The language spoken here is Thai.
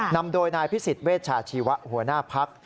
นำโดยนายพิสิทธิเวชชาชีวะหัวหน้าพัก